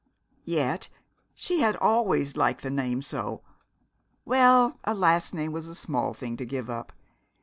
Yet she had always liked the name so well, a last name was a small thing to give up....